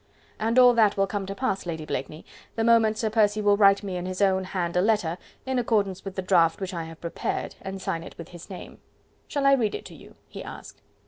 "And all that will come to pass, Lady Blakeney, the moment Sir Percy will write me in his own hand a letter, in accordance with the draft which I have prepared, and sign it with his name. "Shall I read it to you?" he asked.